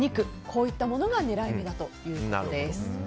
こういったものが狙い目だということです。